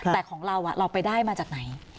แต่ของเราเราไปได้มาจากไหน